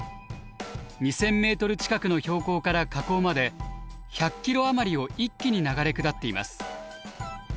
２，０００メートル近くの標高から河口まで１００キロ余りを一気に流れ下っています。